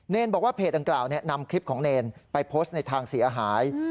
บอกว่าเพจดังกล่าวนำคลิปของเนรไปโพสต์ในทางเสียหาย